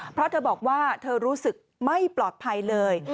เพราะเธอบอกว่าเธอรู้สึกไม่ปลอดภัยเลย